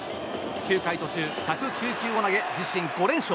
９回途中、１０９球を投げ自身５連勝。